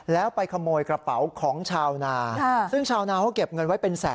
แล้วไปขโมยกระเป๋าของชาวนาซึ่งชาวนาเขาเก็บเงินไว้เป็นแสน